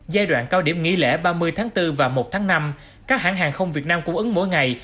giai đoạn cao điểm nghỉ lễ ba mươi tháng bốn và một tháng năm các hãng hàng không việt nam cung ứng mỗi ngày